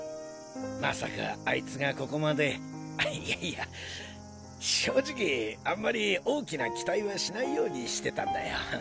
まさかあいつがここまでいやいや正直あんまり大きな期待はしないようにしてたんだよ。